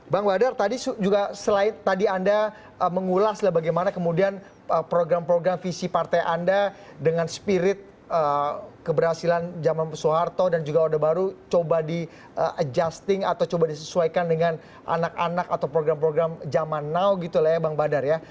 bang badar tadi juga selain tadi anda mengulas bagaimana kemudian program program visi partai anda dengan spirit keberhasilan zaman soeharto dan juga orde baru coba di adjusting atau coba disesuaikan dengan anak anak atau program program zaman now gitu lah ya bang badar ya